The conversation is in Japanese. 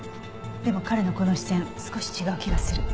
でも彼のこの視線少し違う気がする。